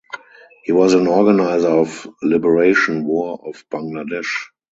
He was an organizer of Liberation War of Bangladesh.